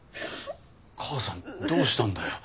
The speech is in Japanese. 母さんどうしたんだよ？